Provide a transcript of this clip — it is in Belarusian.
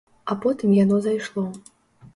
А потым яно зайшло.